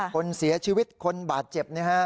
คนเสียชีวิตคนบาดเจ็บนะฮะ